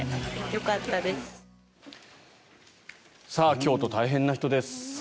京都、大変な人です。